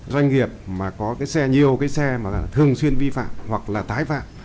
doanh nghiệp mà có nhiều xe thường xuyên vi phạm hoặc là tái phạm